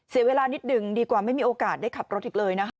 เสียเวลานิดหนึ่งดีกว่าไม่มีโอกาสได้ขับรถอีกเลยนะคะ